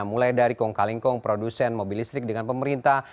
mulai dari kong kalingkong produsen mobil listrik dengan pemerintah